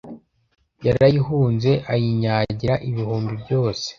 Yarayihunze ayinyagira ibihumbi byose